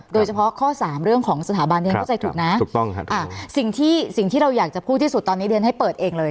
โดยเฉพาะข้อสามเรื่องของสถาบันเรียนเข้าใจถูกนะถูกต้องครับสิ่งที่สิ่งที่เราอยากจะพูดที่สุดตอนนี้เรียนให้เปิดเองเลย